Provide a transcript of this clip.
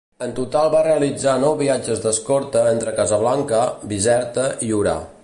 En total va realitzar nou viatges d'escorta entre Casablanca, Bizerta i Orà.